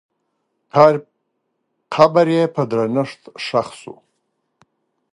قبر یې په درنښت ښخ سو.